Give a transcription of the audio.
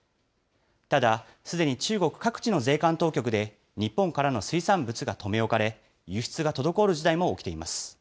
ただ、すでに中国各地の税関当局で日本からの水産物が留め置かれ、輸出が滞る事態も起きています。